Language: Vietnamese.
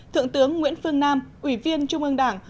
thượng tướng nguyễn phương nam ủy viên trung ương đảng